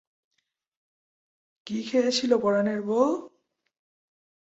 কী খেয়েছিলে পরাণের বৌ?